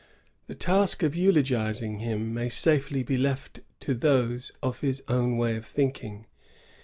The task of eulogizing him may safely be left to those of his own way of thinking.